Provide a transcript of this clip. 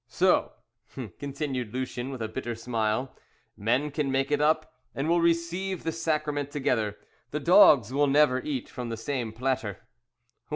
So," continued Lucien, with a bitter smile, "men can make it up, and will receive the sacrament together; the dogs will never eat from the same platter."